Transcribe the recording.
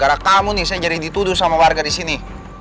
karena kamu nih saya jadi dituduh sama warga di sini